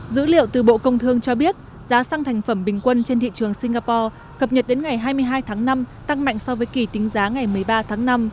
dữ liệu từ bộ công thương cho biết giá xăng thành phẩm bình quân trên thị trường singapore cập nhật đến ngày hai mươi hai tháng năm tăng mạnh so với kỳ tính giá ngày một mươi ba tháng năm